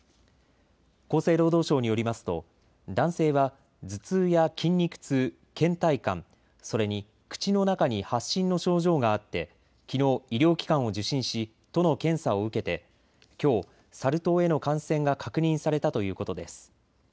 厚生労働省によりますと男性は頭痛や筋肉痛、けん怠感、それに口の中に発疹の症状があってきのう医療機関を受診し都の検査を受けてきょうサル痘への感染が確認されたということです。